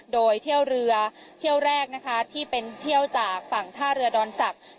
โดยเที่ยวเรือเที่ยวแรกนะคะที่เป็นเที่ยวจากฝั่งท่าเรือดอนศักดิ์